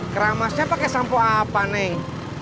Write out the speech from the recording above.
keramasnya pakai sampo apa nih